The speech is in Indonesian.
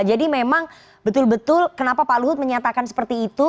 jadi memang betul betul kenapa pak luhut menyatakan seperti itu